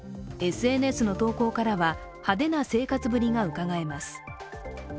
ＳＮＳの投稿からは、派手な生活ぶりがうかがえます。